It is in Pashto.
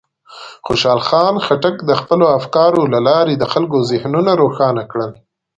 خوشحال خان خټک د خپلو افکارو له لارې د خلکو ذهنونه روښانه کړل.